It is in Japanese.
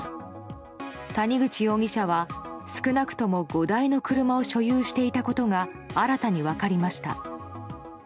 谷口容疑者は少なくとも５台の車を所有していたことが新たに分かりました。